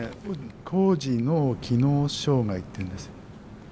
高次脳機能障害っていうんですよ。